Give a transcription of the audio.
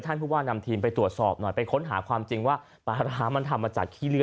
ผู้ว่านำทีมไปตรวจสอบหน่อยไปค้นหาความจริงว่าปลาร้ามันทำมาจากขี้เลื